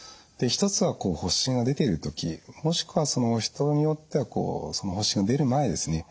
１つは発疹が出ている時もしくはその人によってはその発疹が出る前ですね